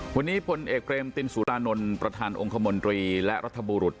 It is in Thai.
วันนี้พลเอกเรมตินสุรานนท์ประธานองค์คมนตรีและรัฐบุรุษ